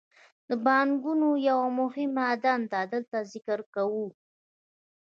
د بانکونو یوه مهمه دنده دلته ذکر کوو